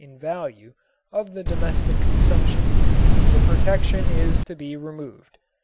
in value of the domestic consumption, the protection is to be removed.